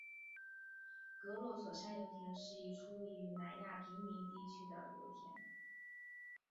格罗索山油田是一处位于南亚平宁地区的油田。